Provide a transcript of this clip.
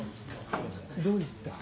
どういった？